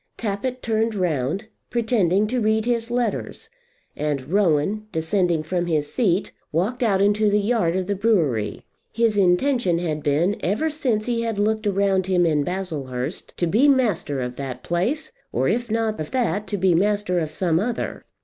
Tappitt turned round, pretending to read his letters, and Rowan descending from his seat walked out into the yard of the brewery. His intention had been, ever since he had looked around him in Baslehurst, to be master of that place, or if not of that, to be master of some other.